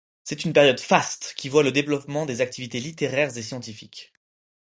C'est une période faste qui voit le développement des activités littéraires et scientifiques.